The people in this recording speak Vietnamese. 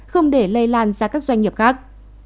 không để lây lan ra các doanh nghiệp khác